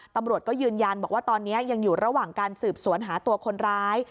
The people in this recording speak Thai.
ตำรวจก็ยืนยันบอกว่าตอนนี้ยังอยู่ระหว่างการสืบสวนหาตัวคนร้าย